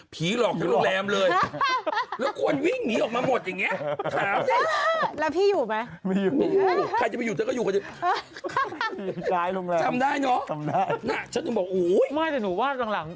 ผีหลอกจากโรงแรมเลยแล้วคนวิ่งหนีออกมาหมดอย่างนี้ถามสิฮ่าฮ่าฮ่าฮ่าฮ่าฮ่าฮ่าฮ่าฮ่า